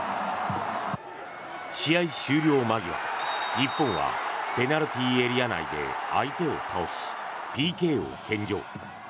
試合終了間際、日本はペナルティーエリア内で相手を倒しＰＫを献上。